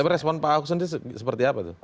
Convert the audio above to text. respon pak ahok sendiri seperti apa tuh